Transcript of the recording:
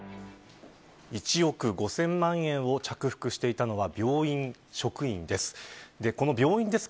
１億５０００万円を着服していたのは病院職員です。